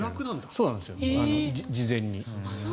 そうなんです、事前に。